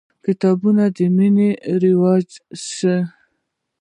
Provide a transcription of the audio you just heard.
د کتابونو مینه باید رواج سي.